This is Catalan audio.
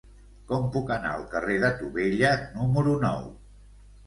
Com puc anar al carrer de Tubella número nou?